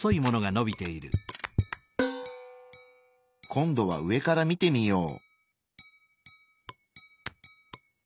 今度は上から見てみよう。